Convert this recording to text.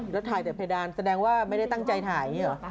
แล้วถ่ายแต่เพดานแสดงว่าไม่ได้ตั้งใจถ่ายอย่างนี้เหรอ